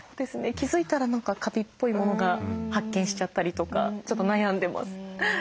気付いたら何かカビっぽいものが発見しちゃったりとかちょっと悩んでます。